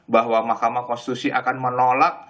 bahwa mahkamah konstitusi akan menolak